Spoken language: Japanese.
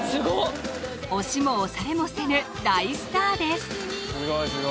押しも押されもせぬ大スターです